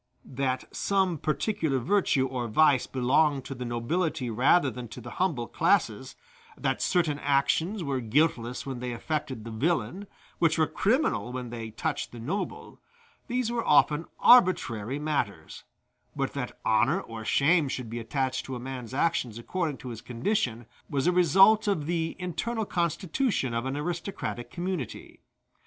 That some particular virtue or vice belonged to the nobility rather than to the humble classes that certain actions were guiltless when they affected the villain, which were criminal when they touched the noble these were often arbitrary matters; but that honor or shame should be attached to a man's actions according to his condition, was a result of the internal constitution of an aristocratic community.